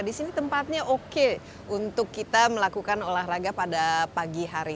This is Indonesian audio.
di sini tempatnya oke untuk kita melakukan olahraga pada pagi hari